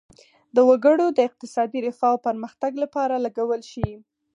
د وګړو د اقتصادي رفاه او پرمختګ لپاره لګول شي.